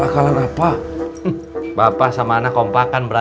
nanti jangan lupa kamu ambilnya